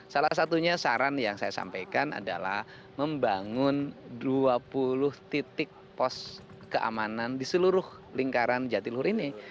salah satunya saran yang saya sampaikan adalah membangun dua puluh titik pos keamanan di seluruh lingkaran jatiluhur ini